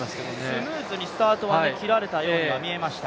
スムーズにスタートは切られたようには見えました。